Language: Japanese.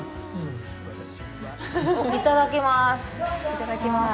いただきます。